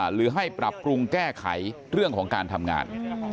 หรือให้ปรับปรุงแก้ไขเรื่องของการทำงาน